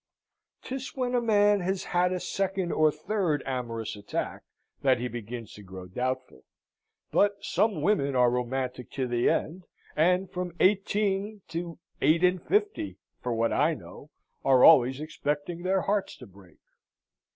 'Tis when a man has had a second or third amorous attack that he begins to grow doubtful; but some women are romantic to the end, and from eighteen to eight and fifty (for what I know) are always expecting their hearts to break.